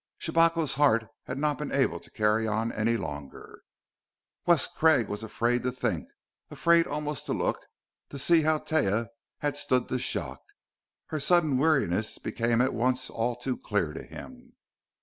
Shabako's heart had not been able to carry on any longer.... Wes Craig was afraid to think, afraid almost to look, to see how Taia had stood the shock. Her sudden weariness became at once all too clear to him....